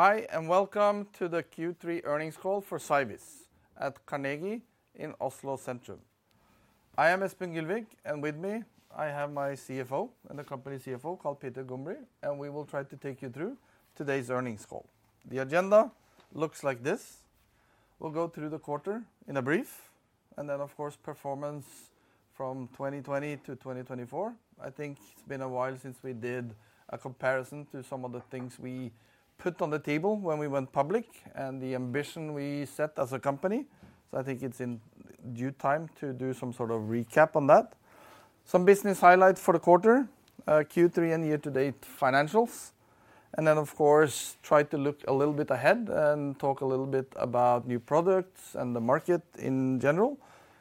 Hi, and welcome to the Q3 earnings call for Cyviz at Carnegie in Oslo Sentrum. I am Espen Gylvik, and with me I have my CFO and the company CFO, Karl Peter Gombrii, and we will try to take you through today's earnings call. The agenda looks like this: we'll go through the quarter in a brief, and then, of course, performance from 2020 to 2024. I think it's been a while since we did a comparison to some of the things we put on the table when we went public and the ambition we set as a company. So I think it's in due time to do some sort of recap on that. Some business highlights for the quarter: Q3 and year-to-date financials. And then, of course, try to look a little bit ahead and talk a little bit about new products and the market in general.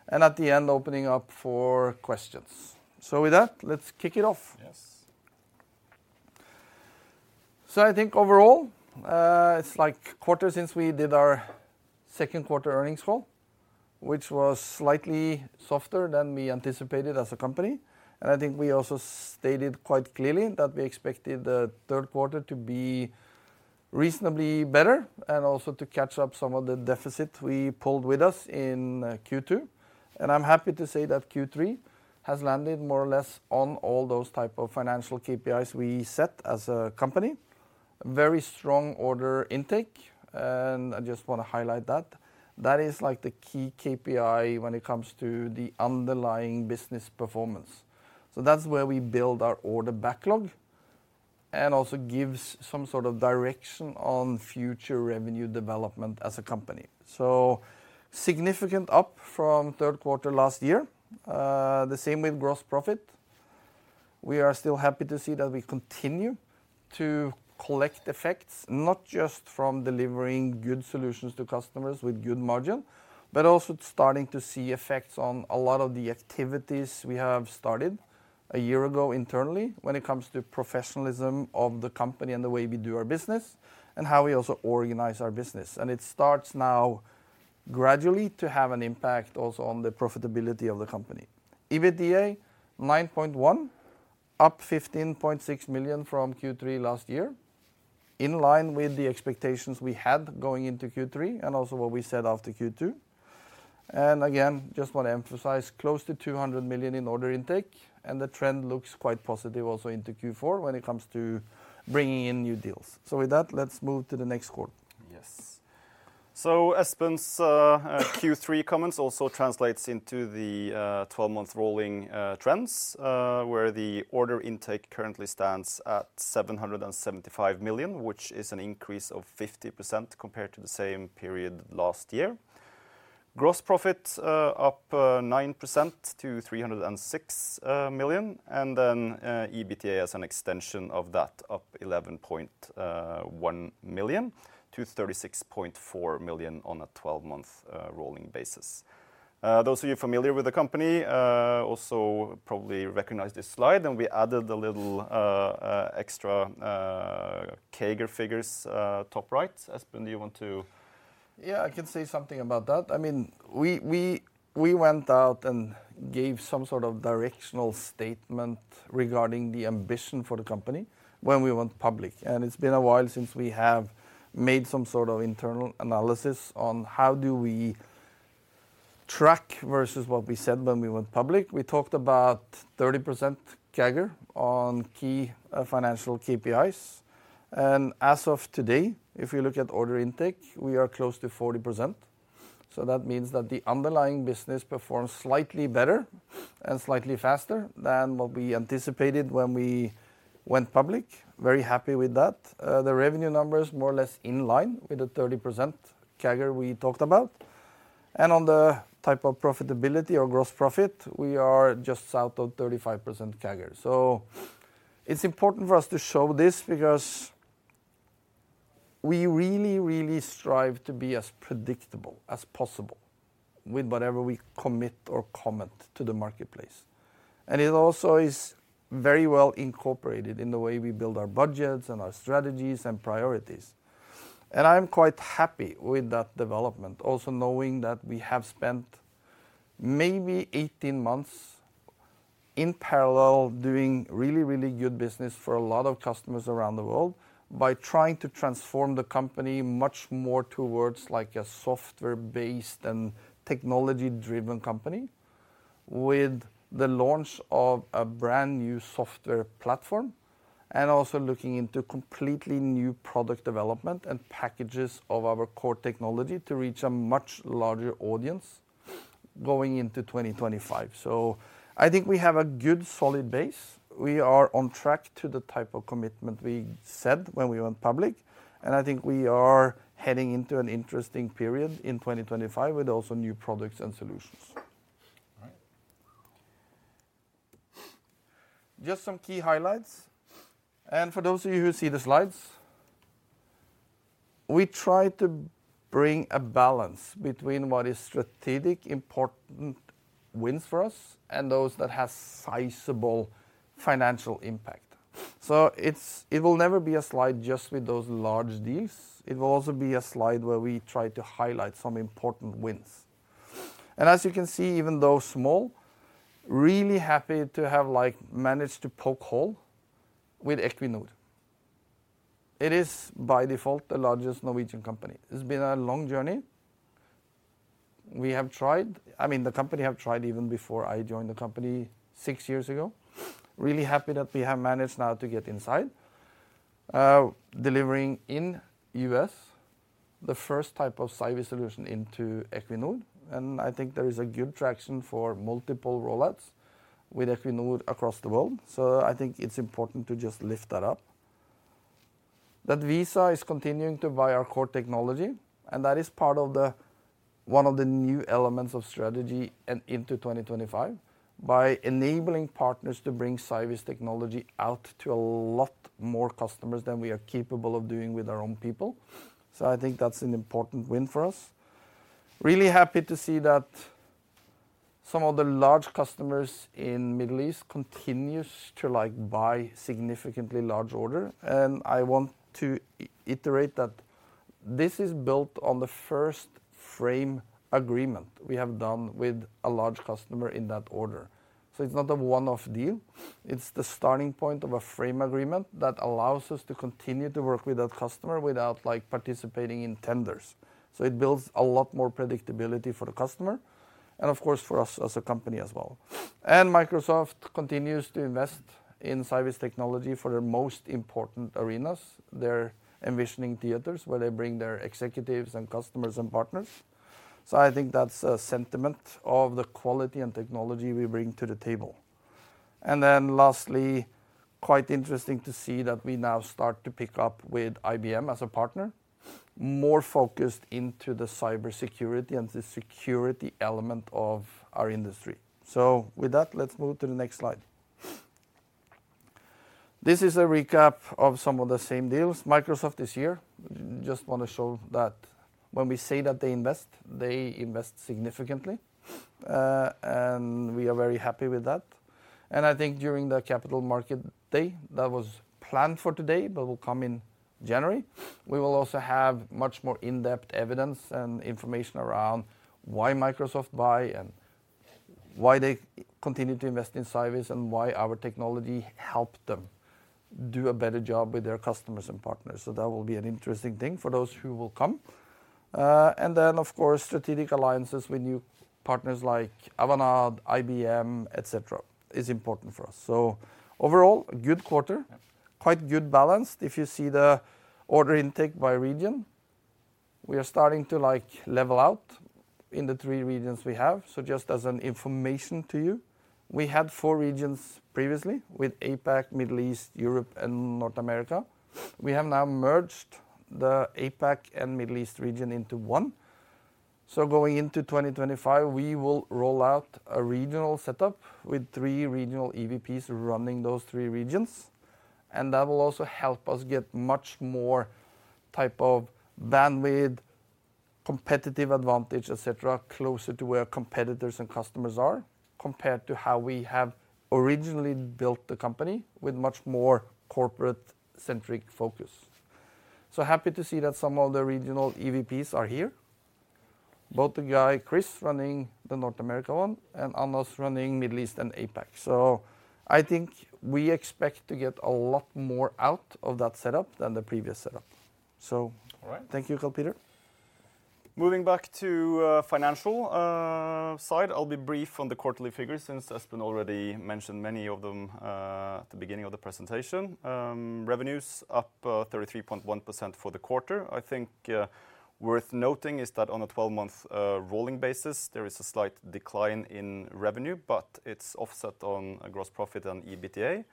And at the end, opening up for questions. So with that, let's kick it off. Yes. I think overall, it's like a quarter since we did our second quarter earnings call, which was slightly softer than we anticipated as a company. And I think we also stated quite clearly that we expected the third quarter to be reasonably better and also to catch up some of the deficit we pulled with us in Q2. And I'm happy to say that Q3 has landed more or less on all those types of financial KPIs we set as a company. Very strong order intake, and I just want to highlight that. That is like the key KPI when it comes to the underlying business performance. So that's where we build our order backlog and also give some sort of direction on future revenue development as a company. So, significant up from third quarter last year. The same with gross profit. We are still happy to see that we continue to collect effects, not just from delivering good solutions to customers with good margin, but also starting to see effects on a lot of the activities we have started a year ago internally when it comes to professionalism of the company and the way we do our business and how we also organize our business, and it starts now gradually to have an impact also on the profitability of the company. EBITDA 9.1, up 15.6 million from Q3 last year, in line with the expectations we had going into Q3 and also what we said after Q2, and again, just want to emphasize close to 200 million in order intake, and the trend looks quite positive also into Q4 when it comes to bringing in new deals, so with that, let's move to the next quarter. Yes. So Espen's Q3 comments also translate into the 12-month rolling trends, where the order intake currently stands at 775 million, which is an increase of 50% compared to the same period last year. Gross profit up 9% to 306 million, and then EBITDA as an extension of that, up 11.1 million to 36.4 million on a 12-month rolling basis. Those of you familiar with the company also probably recognize this slide, and we added a little extra CAGR figures top right. Espen, do you want to? Yeah, I can say something about that. I mean, we went out and gave some sort of directional statement regarding the ambition for the company when we went public. And it's been a while since we have made some sort of internal analysis on how do we track versus what we said when we went public. We talked about 30% CAGR on key financial KPIs. And as of today, if you look at order intake, we are close to 40%. So that means that the underlying business performs slightly better and slightly faster than what we anticipated when we went public. Very happy with that. The revenue number is more or less in line with the 30% CAGR we talked about. And on the type of profitability or gross profit, we are just south of 35% CAGR. So it's important for us to show this because we really, really strive to be as predictable as possible with whatever we commit or comment to the marketplace. And it also is very well incorporated in the way we build our budgets and our strategies and priorities. And I'm quite happy with that development, also knowing that we have spent maybe 18 months in parallel doing really, really good business for a lot of customers around the world by trying to transform the company much more towards like a software-based and technology-driven company with the launch of a brand new software platform and also looking into completely new product development and packages of our core technology to reach a much larger audience going into 2025. So I think we have a good solid base. We are on track to the type of commitment we said when we went public. I think we are heading into an interesting period in 2025 with also new products and solutions. All right. Just some key highlights. And for those of you who see the slides, we try to bring a balance between what is strategic, important wins for us and those that have sizable financial impact. So it will never be a slide just with those large deals. It will also be a slide where we try to highlight some important wins. And as you can see, even though small, really happy to have managed to poke hole with Equinor. It is by default the largest Norwegian company. It's been a long journey. We have tried. I mean, the company had tried even before I joined the company six years ago. Really happy that we have managed now to get inside, delivering in the US the first type of Cyviz solution into Equinor. And I think there is a good traction for multiple rollouts with Equinor across the world. So I think it's important to just lift that up. That Visa is continuing to buy our core technology, and that is part of one of the new elements of strategy and into 2025 by enabling partners to bring Cyviz technology out to a lot more customers than we are capable of doing with our own people. So I think that's an important win for us. Really happy to see that some of the large customers in the Middle East continue to buy significantly large order. And I want to iterate that this is built on the first frame agreement we have done with a large customer in that order. So it's not a one-off deal. It's the starting point of a frame agreement that allows us to continue to work with that customer without participating in tenders. So it builds a lot more predictability for the customer and, of course, for us as a company as well. And Microsoft continues to invest in Cyviz technology for their most important arenas. They're Envisioning Theaters where they bring their executives and customers and partners. So I think that's a sentiment of the quality and technology we bring to the table. And then lastly, quite interesting to see that we now start to pick up with IBM as a partner, more focused into the cybersecurity and the security element of our industry. So with that, let's move to the next slide. This is a recap of some of the same deals Microsoft this year. Just want to show that when we say that they invest, they invest significantly, and we are very happy with that. And I think during the capital market day that was planned for today, but will come in January, we will also have much more in-depth evidence and information around why Microsoft buys and why they continue to invest in Cyviz and why our technology helped them do a better job with their customers and partners. So that will be an interesting thing for those who will come. And then, of course, strategic alliances with new partners like Avanade, IBM, et cetera, is important for us. So overall, good quarter, quite good balance. If you see the order intake by region, we are starting to level out in the three regions we have. So just as an information to you, we had four regions previously with APAC, Middle East, Europe, and North America. We have now merged the APAC and Middle East region into one. Going into 2025, we will roll out a regional setup with three regional EVPs running those three regions. And that will also help us get much more type of bandwidth, competitive advantage, et cetera, closer to where competitors and customers are compared to how we have originally built the company with much more corporate-centric focus. Happy to see that some of the regional EVPs are here, both the guy, Chris, running the North America one, and Anas running Middle East and APAC. I think we expect to get a lot more out of that setup than the previous setup. Thank you, Karl Peter. Moving back to the financial side, I'll be brief on the quarterly figures since Espen already mentioned many of them at the beginning of the presentation. Revenues up 33.1% for the quarter. I think worth noting is that on a 12-month rolling basis, there is a slight decline in revenue, but it's offset on gross profit and EBITDA.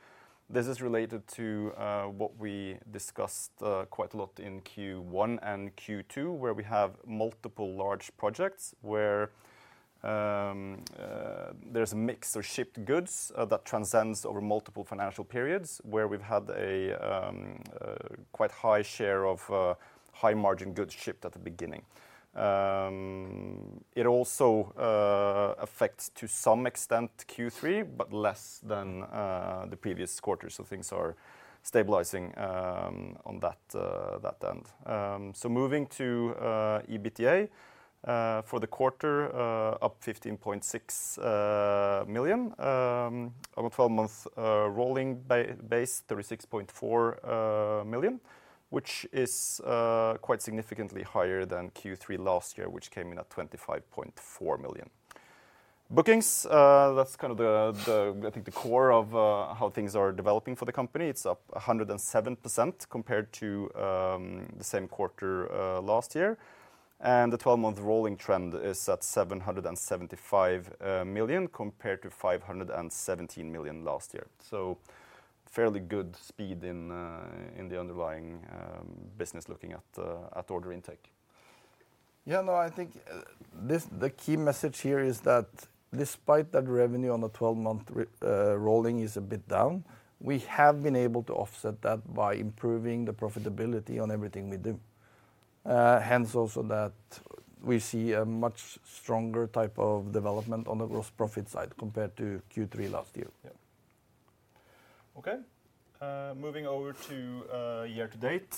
This is related to what we discussed quite a lot in Q1 and Q2, where we have multiple large projects where there's a mix of shipped goods that transcends over multiple financial periods, where we've had a quite high share of high-margin goods shipped at the beginning. It also affects to some extent Q3, but less than the previous quarter. So things are stabilizing on that end. So moving to EBITDA for the quarter, up 15.6 million on a 12-month rolling basis, 36.4 million, which is quite significantly higher than Q3 last year, which came in at 25.4 million. Bookings, that's kind of the, I think, the core of how things are developing for the company. It's up 107% compared to the same quarter last year. And the 12-month rolling trend is at 775 million compared to 517 million last year. So fairly good speed in the underlying business looking at order intake. Yeah, no, I think the key message here is that despite that revenue on the 12-month rolling is a bit down, we have been able to offset that by improving the profitability on everything we do. Hence also that we see a much stronger type of development on the gross profit side compared to Q3 last year. Okay. Moving over to year to date,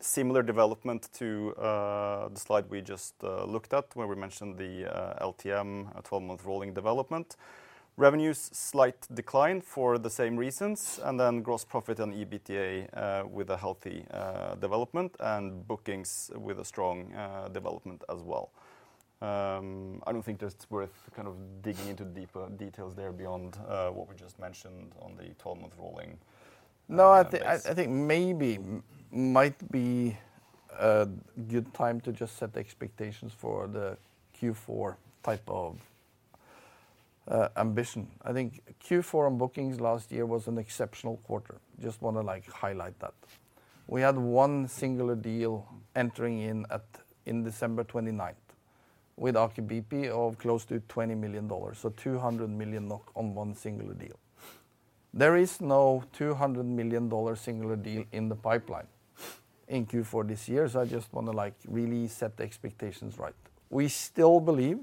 similar development to the slide we just looked at where we mentioned the LTM, 12-month rolling development. Revenues slight decline for the same reasons, and then gross profit and EBITDA with a healthy development and bookings with a strong development as well. I don't think that's worth kind of digging into deeper details there beyond what we just mentioned on the 12-month rolling. No, I think maybe might be a good time to just set expectations for the Q4 type of ambition. I think Q4 on bookings last year was an exceptional quarter. Just want to highlight that. We had one single deal entering in at December 29th with Accu-Tech of close to $20 million, so 200 million NOK on one single deal. There is no NOK 200 million single deal in the pipeline in Q4 this year, so I just want to really set the expectations right. We still believe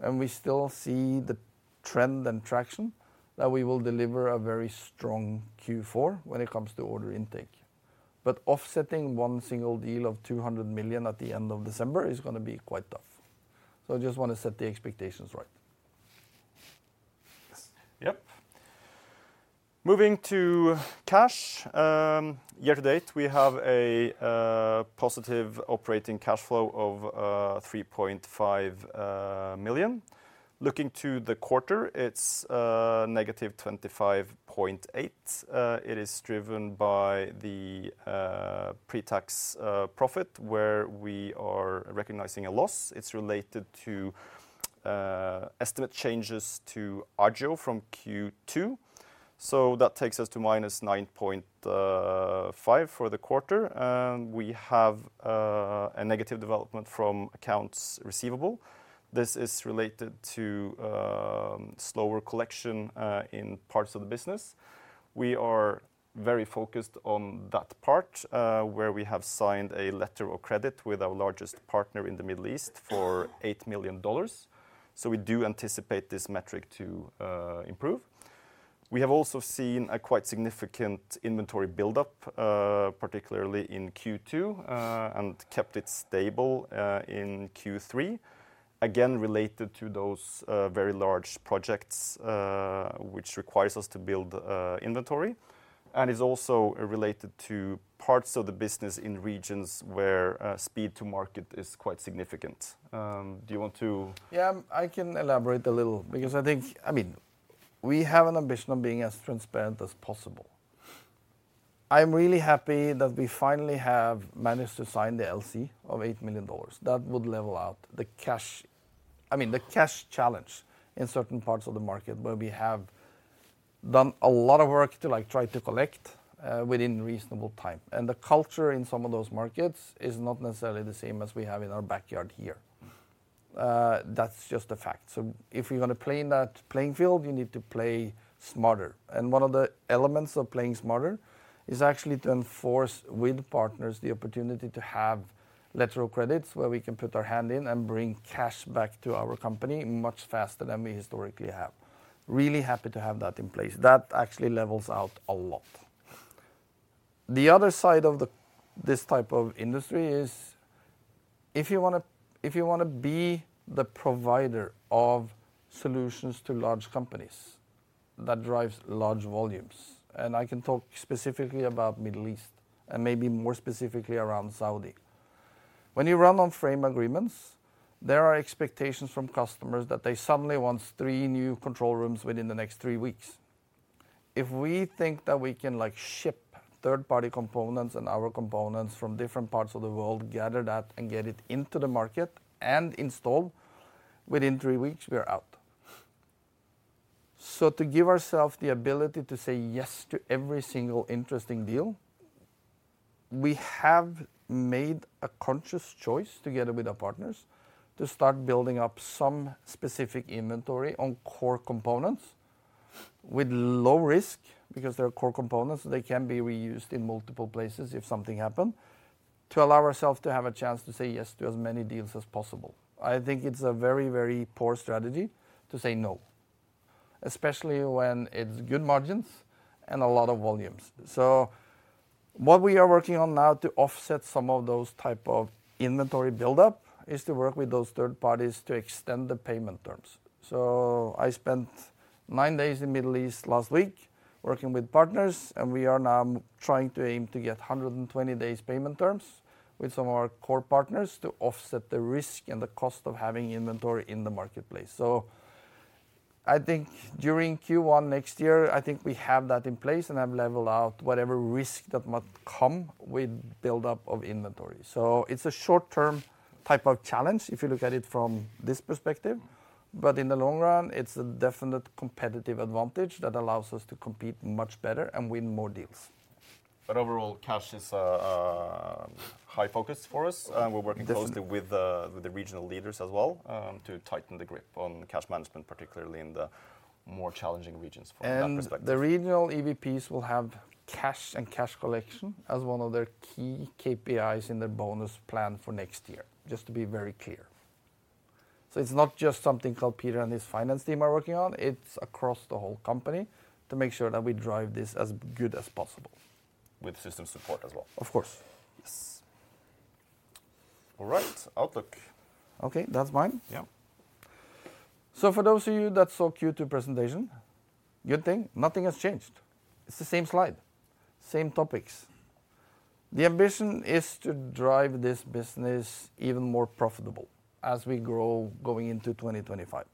and we still see the trend and traction that we will deliver a very strong Q4 when it comes to order intake. But offsetting one single deal of 200 million at the end of December is going to be quite tough. So I just want to set the expectations right. Yes. Yep. Moving to cash. Year to date, we have a positive operating cash flow of 3.5 million. Looking to the quarter, it's negative 25.8 million. It is driven by the pre-tax profit where we are recognizing a loss. It's related to estimate changes to Agio from Q2. So that takes us to minus 9.5 million for the quarter. And we have a negative development from accounts receivable. This is related to slower collection in parts of the business. We are very focused on that part where we have signed a letter of credit with our largest partner in the Middle East for $8 million. So we do anticipate this metric to improve. We have also seen a quite significant inventory buildup, particularly in Q2, and kept it stable in Q3, again related to those very large projects, which requires us to build inventory. And it's also related to parts of the business in regions where speed to market is quite significant. Do you want to? Yeah, I can elaborate a little because I think, I mean, we have an ambition of being as transparent as possible. I'm really happy that we finally have managed to sign the LC of $8 million. That would level out the cash, I mean, the cash challenge in certain parts of the market where we have done a lot of work to try to collect within reasonable time. And the culture in some of those markets is not necessarily the same as we have in our backyard here. That's just a fact. So if you want to play in that playing field, you need to play smarter. And one of the elements of playing smarter is actually to enforce with partners the opportunity to have letter of credits where we can put our hand in and bring cash back to our company much faster than we historically have. Really happy to have that in place. That actually levels out a lot. The other side of this type of industry is if you want to be the provider of solutions to large companies, that drives large volumes, and I can talk specifically about Middle East and maybe more specifically around Saudi. When you run on frame agreements, there are expectations from customers that they suddenly want three new control rooms within the next three weeks. If we think that we can ship third-party components and our components from different parts of the world, gather that and get it into the market and install within three weeks, we're out, so to give ourselves the ability to say yes to every single interesting deal, we have made a conscious choice together with our partners to start building up some specific inventory on core components with low risk because they're core components. They can be reused in multiple places if something happened to allow ourselves to have a chance to say yes to as many deals as possible. I think it's a very, very poor strategy to say no, especially when it's good margins and a lot of volumes. So what we are working on now to offset some of those types of inventory buildup is to work with those third parties to extend the payment terms. So I spent nine days in the Middle East last week working with partners, and we are now trying to aim to get 120 days payment terms with some of our core partners to offset the risk and the cost of having inventory in the marketplace. So I think during Q1 next year, I think we have that in place and have leveled out whatever risk that might come with buildup of inventory. So it's a short-term type of challenge if you look at it from this perspective. But in the long run, it's a definite competitive advantage that allows us to compete much better and win more deals. But overall, cash is a high focus for us. We're working closely with the regional leaders as well to tighten the grip on cash management, particularly in the more challenging regions from that perspective. And the regional EVPs will have cash and cash collection as one of their key KPIs in their bonus plan for next year, just to be very clear. So it's not just something Karl Peter and his finance team are working on. It's across the whole company to make sure that we drive this as good as possible. With system support as well. Of course. Yes. All right. Outlook. Okay. That's mine. Yeah. So, for those of you that saw Q2 presentation, good thing. Nothing has changed. It's the same slide, same topics. The ambition is to drive this business even more profitable as we grow going into 2025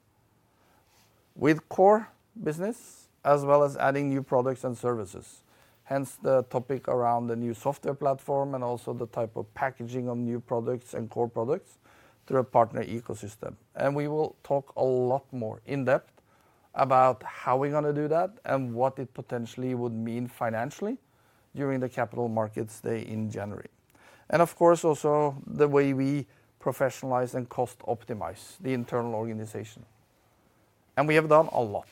with core business as well as adding new products and services. Hence the topic around the new software platform and also the type of packaging of new products and core products through a partner ecosystem, and we will talk a lot more in depth about how we're going to do that and what it potentially would mean financially during the capital markets day in January, and of course, also the way we professionalize and cost optimize the internal organization, and we have done a lot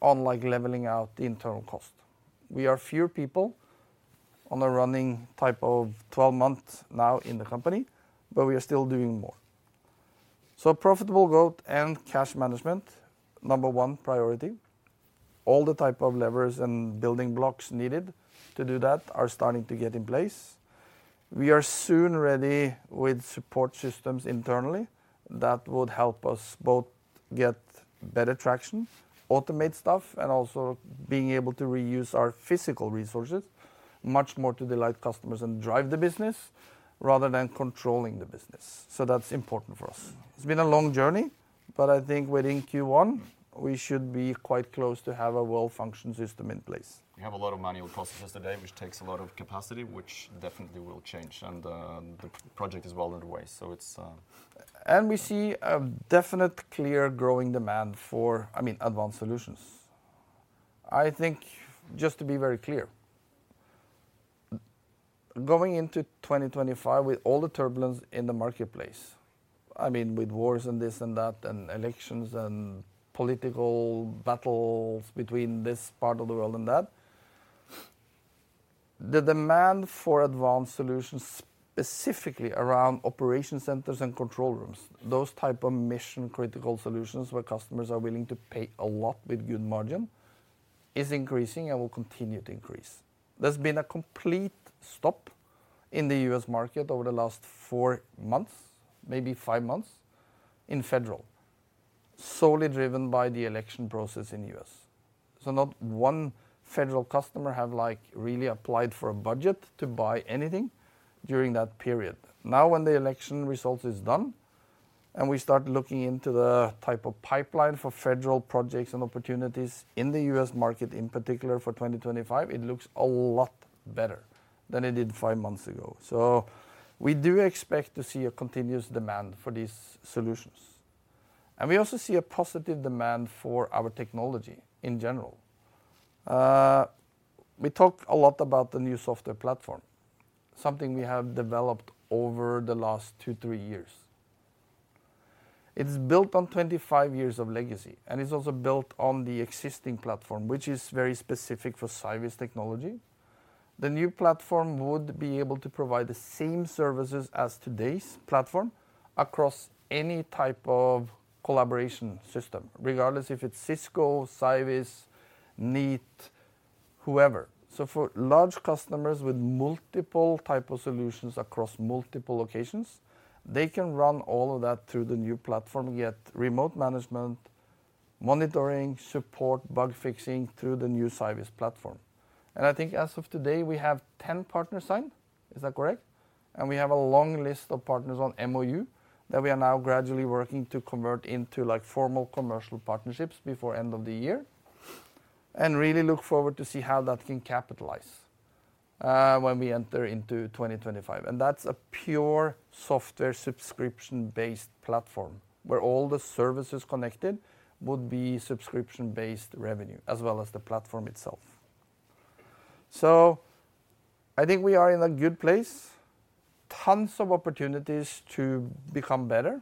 on leveling out the internal cost. We are fewer people on a running type of 12 months now in the company, but we are still doing more. So profitable growth and cash management, number one priority. All the type of levers and building blocks needed to do that are starting to get in place. We are soon ready with support systems internally that would help us both get better traction, automate stuff, and also being able to reuse our physical resources much more to delight customers and drive the business rather than controlling the business. So that's important for us. It's been a long journey, but I think within Q1, we should be quite close to have a well-functioned system in place. We have a lot of manual processes today, which takes a lot of capacity, which definitely will change. And the project is well underway, so it's. We see a definite clear growing demand for, I mean, advanced solutions. I think just to be very clear, going into 2025 with all the turbulence in the marketplace, I mean, with wars and this and that and elections and political battles between this part of the world and that, the demand for advanced solutions specifically around operation centers and control rooms, those type of mission-critical solutions where customers are willing to pay a lot with good margin is increasing and will continue to increase. There's been a complete stop in the U.S. market over the last four months, maybe five months in federal, solely driven by the election process in the U.S. So not one federal customer has really applied for a budget to buy anything during that period. Now when the election result is done and we start looking into the type of pipeline for federal projects and opportunities in the US market in particular for 2025, it looks a lot better than it did five months ago. So we do expect to see a continuous demand for these solutions, and we also see a positive demand for our technology in general. We talk a lot about the new software platform, something we have developed over the last two, three years. It's built on 25 years of legacy, and it's also built on the existing platform, which is very specific for Cyviz technology. The new platform would be able to provide the same services as today's platform across any type of collaboration system, regardless if it's Cisco, Cyviz, Neat, whoever. So for large customers with multiple types of solutions across multiple locations, they can run all of that through the new platform, get remote management, monitoring, support, bug fixing through the new Cyviz platform. And I think as of today, we have 10 partners signed. Is that correct? And we have a long list of partners on MoU that we are now gradually working to convert into formal commercial partnerships before the end of the year and really look forward to see how that can capitalize when we enter into 2025. And that's a pure software subscription-based platform where all the services connected would be subscription-based revenue as well as the platform itself. So I think we are in a good place. Tons of opportunities to become better.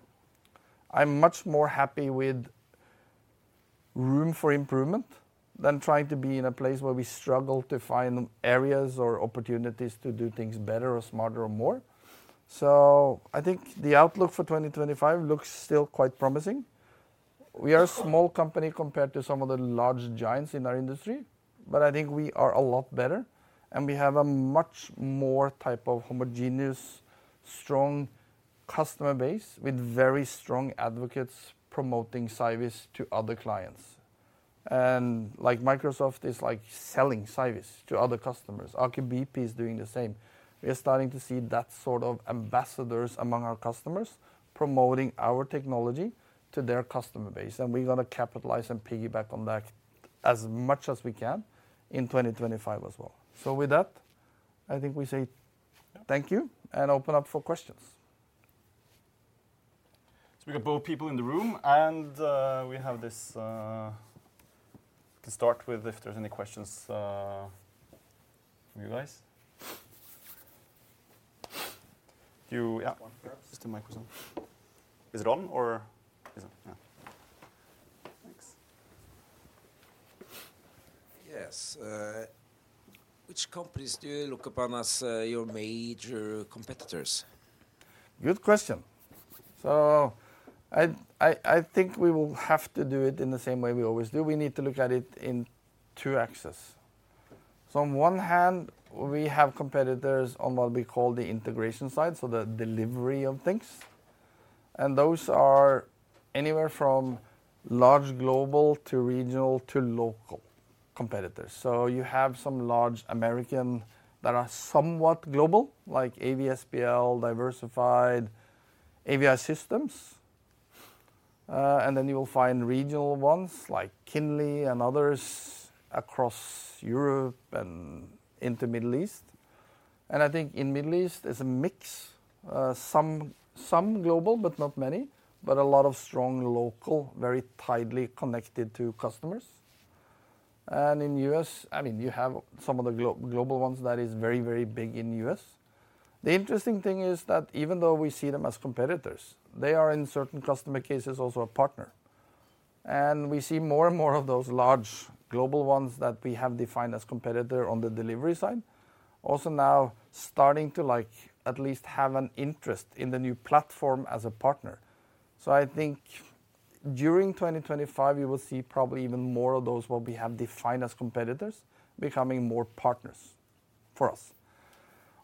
I'm much more happy with room for improvement than trying to be in a place where we struggle to find areas or opportunities to do things better or smarter or more, so I think the outlook for 2025 looks still quite promising. We are a small company compared to some of the large giants in our industry, but I think we are a lot better, and we have a much more type of homogeneous, strong customer base with very strong advocates promoting Cyviz to other clients, and Microsoft is selling Cyviz to other customers. Accu-Tech is doing the same. We are starting to see that sort of ambassadors among our customers promoting our technology to their customer base, and we're going to capitalize and piggyback on that as much as we can in 2025 as well, so with that, I think we say thank you and open up for questions. So we got both people in the room. And we have this to start with if there's any questions from you guys. Do you? Just the microphone. Is it on or is it? Thanks. Yes. Which companies do you look upon as your major competitors? Good question. So I think we will have to do it in the same way we always do. We need to look at it in two axes. So on one hand, we have competitors on what we call the integration side, so the delivery of things. And those are anywhere from large global to regional to local competitors. So you have some large American that are somewhat global, like AVI-SPL, Diversified, AVI Systems. And then you will find regional ones like Kinly and others across Europe and into the Middle East. And I think in the Middle East, it's a mix, some global, but not many, but a lot of strong local, very tightly connected to customers. And in the US, I mean, you have some of the global ones that are very, very big in the US. The interesting thing is that even though we see them as competitors, they are in certain customer cases also a partner. And we see more and more of those large global ones that we have defined as competitors on the delivery side also now starting to at least have an interest in the new platform as a partner. So I think during 2025, you will see probably even more of those what we have defined as competitors becoming more partners for us.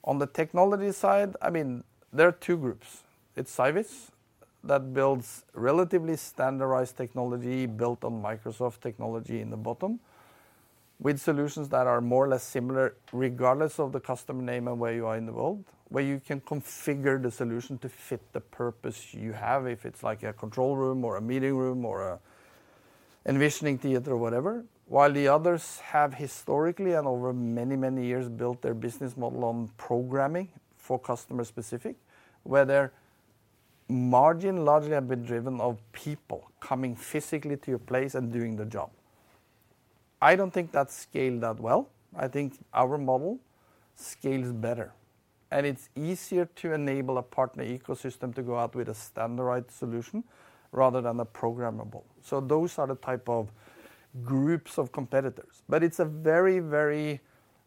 On the technology side, I mean, there are two groups. It's Cyviz that builds relatively standardized technology built on Microsoft technology in the bottom with solutions that are more or less similar regardless of the customer name and where you are in the world, where you can configure the solution to fit the purpose you have if it's like a control room or a meeting room or an envisioning theater or whatever, while the others have historically and over many, many years built their business model on programming for customer specific, where their margin largely has been driven by people coming physically to your place and doing the job. I don't think that scaled that well. I think our model scales better, and it's easier to enable a partner ecosystem to go out with a standardized solution rather than a programmable, so those are the type of groups of competitors. But it's a very, very,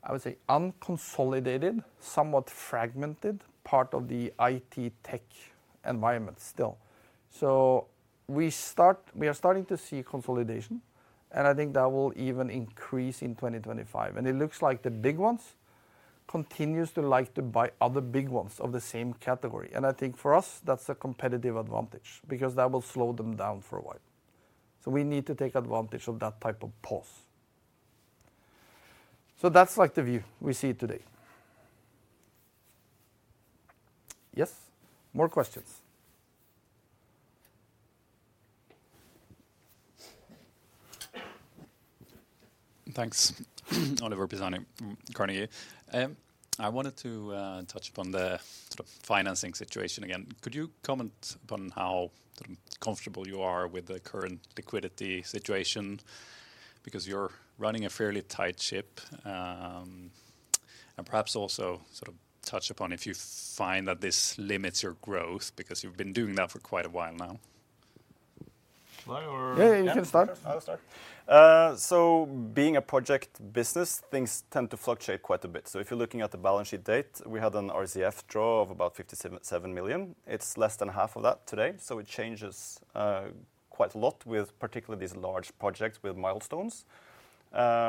I would say, unconsolidated, somewhat fragmented part of the IT tech environment still. So we are starting to see consolidation. And I think that will even increase in 2025. And it looks like the big ones continue to like to buy other big ones of the same category. And I think for us, that's a competitive advantage because that will slow them down for a while. So we need to take advantage of that type of pause. So that's like the view we see today. Yes? More questions. Thanks, Oliver Pisani, Carnegie. I wanted to touch upon the financing situation again. Could you comment upon how comfortable you are with the current liquidity situation because you're running a fairly tight ship and perhaps also touch upon if you find that this limits your growth because you've been doing that for quite a while now? Yeah, you can start. I'll start. Being a project business, things tend to fluctuate quite a bit. If you're looking at the balance sheet date, we had an RCF draw of about 57 million. It's less than half of that today. It changes quite a lot with particularly these large projects with milestones.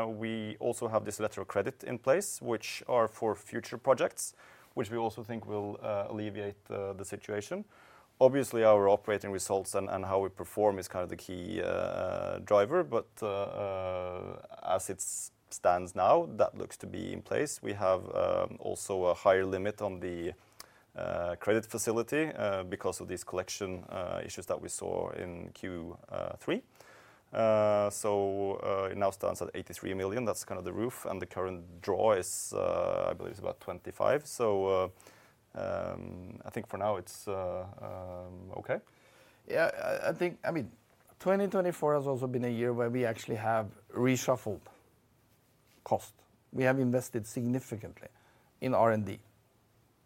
We also have this letter of credit in place, which are for future projects, which we also think will alleviate the situation. Obviously, our operating results and how we perform is kind of the key driver. But as it stands now, that looks to be in place. We have also a higher limit on the credit facility because of these collection issues that we saw in Q3. It now stands at 83 million. That's kind of the roof. The current draw is, I believe, about 25 million. I think for now, it's okay. Yeah. I mean, 2024 has also been a year where we actually have reshuffled cost. We have invested significantly in R&D.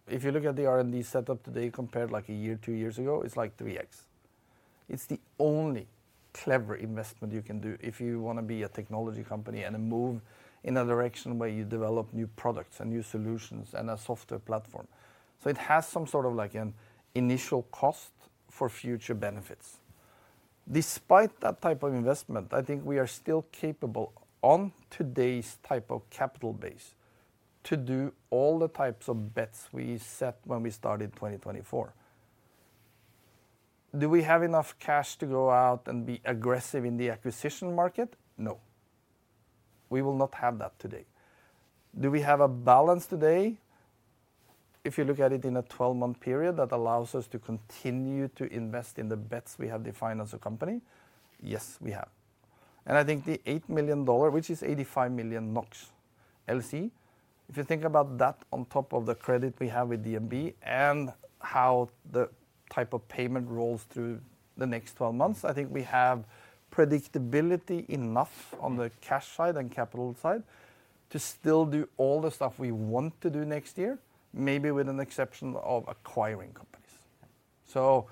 If you look at the R&D setup today compared to a year or two years ago, it's like 3x. It's the only clever investment you can do if you want to be a technology company and move in a direction where you develop new products and new solutions and a software platform. So it has some sort of initial cost for future benefits. Despite that type of investment, I think we are still capable on today's type of capital base to do all the types of bets we set when we started 2024. Do we have enough cash to go out and be aggressive in the acquisition market? No. We will not have that today. Do we have a balance today? If you look at it in a 12-month period that allows us to continue to invest in the bets we have defined as a company? Yes, we have. And I think the $8 million, which is 85 million NOK LC, if you think about that on top of the credit we have with DNB and how the type of payment rolls through the next 12 months, I think we have predictability enough on the cash side and capital side to still do all the stuff we want to do next year, maybe with an exception of acquiring companies. So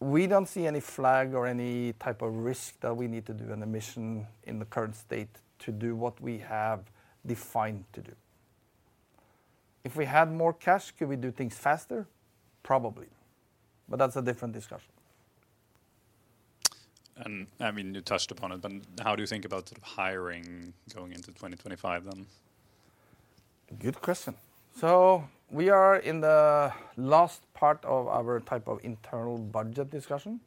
we don't see any flag or any type of risk that we need to do an emission in the current state to do what we have defined to do. If we had more cash, could we do things faster? Probably. But that's a different discussion. I mean, you touched upon it, but how do you think about hiring going into 2025 then? Good question, so we are in the last part of our type of internal budget discussion.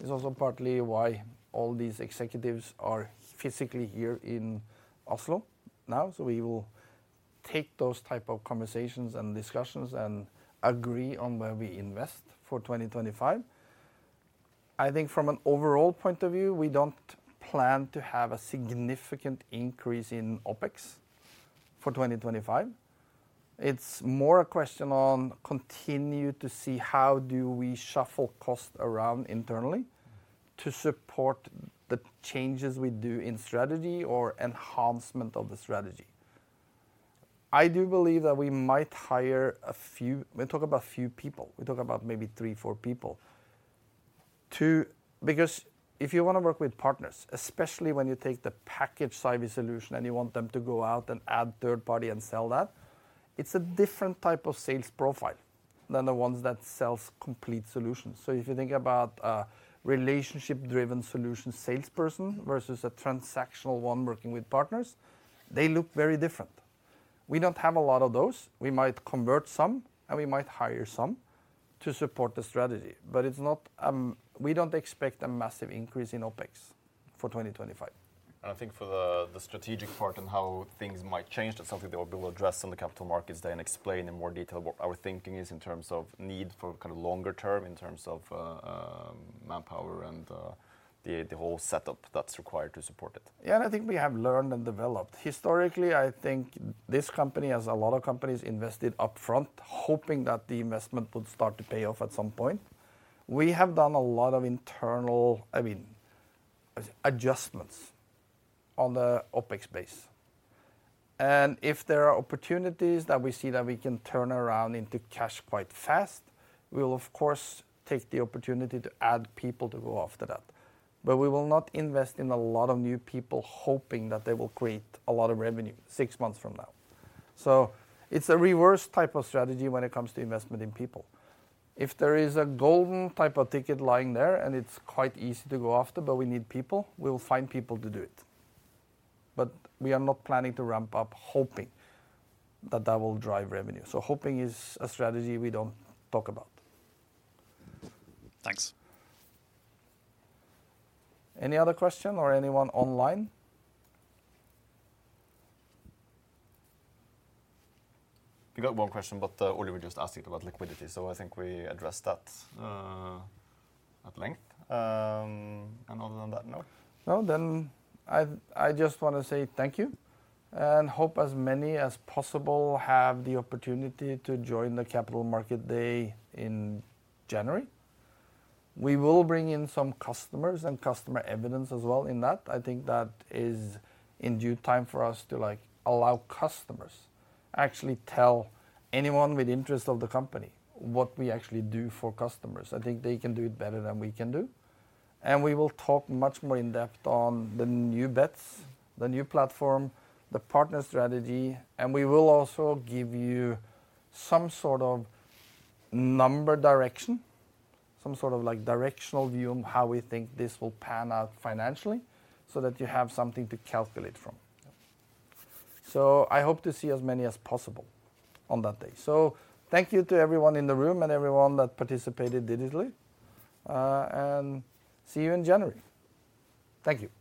It's also partly why all these executives are physically here in Oslo now, so we will take those types of conversations and discussions and agree on where we invest for 2025. I think from an overall point of view, we don't plan to have a significant increase in OpEx for 2025. It's more a question on continuing to see how do we shuffle costs around internally to support the changes we do in strategy or enhancement of the strategy. I do believe that we might hire a few, we talk about a few people. We talk about maybe three, four people. Because if you want to work with partners, especially when you take the package Cyviz solution and you want them to go out and add third party and sell that, it's a different type of sales profile than the ones that sell complete solutions. So if you think about a relationship-driven solution salesperson versus a transactional one working with partners, they look very different. We don't have a lot of those. We might convert some, and we might hire some to support the strategy. But we don't expect a massive increase in OpEx for 2025. I think for the strategic part and how things might change, that's something that will be addressed in the capital markets, then explain in more detail what our thinking is in terms of need for kind of longer term in terms of manpower and the whole setup that's required to support it. Yeah. And I think we have learned and developed. Historically, I think this company, as a lot of companies, invested upfront hoping that the investment would start to pay off at some point. We have done a lot of internal, I mean, adjustments on the OpEx base. And if there are opportunities that we see that we can turn around into cash quite fast, we will, of course, take the opportunity to add people to go after that. But we will not invest in a lot of new people hoping that they will create a lot of revenue six months from now. So it's a reverse type of strategy when it comes to investment in people. If there is a golden type of ticket lying there and it's quite easy to go after, but we need people, we will find people to do it. But we are not planning to ramp up hoping that that will drive revenue. So hoping is a strategy we don't talk about. Thanks. Any other question or anyone online? We got one question, but Oliver just asked it about liquidity, so I think we addressed that at length. And other than that, no. No, then I just want to say thank you and hope as many as possible have the opportunity to join the capital market day in January. We will bring in some customers and customer evidence as well in that. I think that is in due time for us to allow customers to actually tell anyone with interest of the company what we actually do for customers. I think they can do it better than we can do, and we will talk much more in depth on the new bets, the new platform, the partner strategy, and we will also give you some sort of number direction, some sort of directional view on how we think this will pan out financially so that you have something to calculate from, so I hope to see as many as possible on that day. So thank you to everyone in the room and everyone that participated digitally. And see you in January. Thank you.